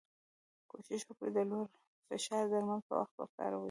کوښښ وکړی د لوړ فشار درمل په وخت وکاروی.